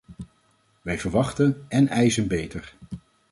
Wij verwachten en eisen beter.